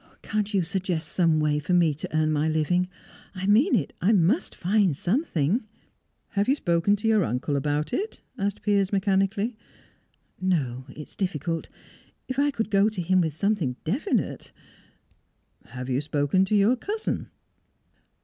"Can't you suggest some way for me to earn my living? I mean it. I must find something." "Have you spoken to your uncle about it?" asked Piers mechanically. "No; it's difficult. If I could go to him with something definite." "Have you spoken to your cousin?"